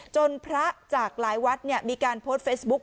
พระจากหลายวัดมีการโพสต์เฟซบุ๊ค